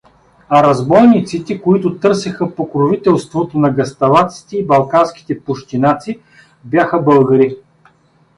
А разбойниците, които търсеха покровителството на гъсталаците и балканските пущинаци, бяха българи.